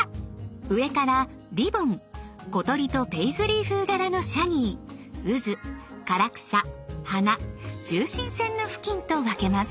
上からリボン小鳥とペイズリー風柄のシャギーうず・唐草・花中心線の付近と分けます。